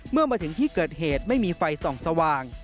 เมื่อมาถึงที่เกิดเหตุไม่มีไฟส่องสว่าง